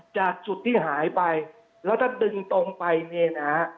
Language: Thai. จากจุดที่หายไปแล้วถ้าดึงตรงไปเนี่ยนะฮะ